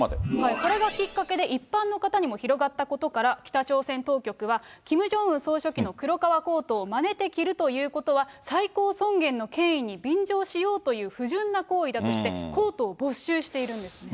これがきっかけで、一般の方にも広がったことから、北朝鮮当局は、キム・ジョンウン総書記の黒革コートをまねて着るということは、最高尊厳の権威に便乗しようという不純な行為だとして、コートを没収しているんですね。